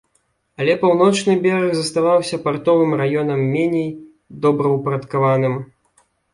Але паўночны бераг заставаўся партовым раёнам, меней добраўпарадкаваным.